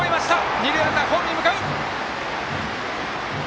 二塁ランナーホームへ向かう！